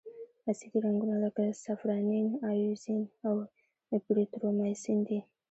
اسیدي رنګونه لکه سافرانین، ائوزین او ایریترومایسین دي.